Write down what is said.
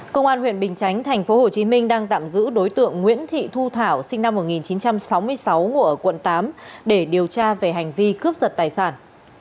công an huyện bình chánh tp hcm đang tạm giữ đối tượng nguyễn thị thu thảo sinh năm một nghìn chín trăm sáu mươi sáu ngụ ở quận tám để điều tra về hành vi cướp giật tài sản